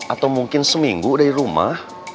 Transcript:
atau mungkin seminggu dari rumah